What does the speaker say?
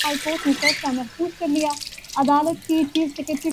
سمیت پاکستان کے تمام بڑے شہروں کے